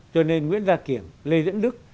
cho nên nguyễn gia kiểm lê diễn đức